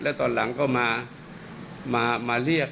แล้วตอนหลังก็มาเรียก